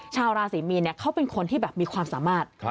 ชาวราศรีมีนเขาเป็นคนที่แบบมีความสามารถ